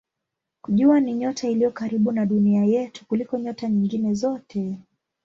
Jua ni nyota iliyo karibu na Dunia yetu kuliko nyota nyingine zote.